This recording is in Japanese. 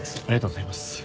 ありがとうございます。